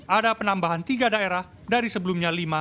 ada penambahan tiga daerah dari sebelumnya